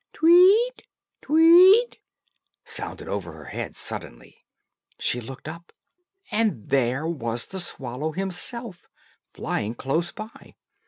"Tweet, tweet," sounded over her head suddenly. She looked up, and there was the swallow himself flying close by.